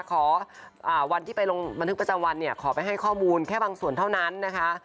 ขอวันที่ไปลงบันทึกประจำวันเนี่ยขอไปให้ข้อมูลแค่บางส่วนเท่านั้นนะคะ